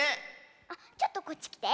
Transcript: あっちょっとこっちきて。